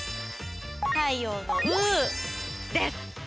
太陽の「う」です。